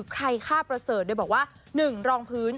ใครฆ่าประเสริฐโดยบอกว่า๑รองพื้น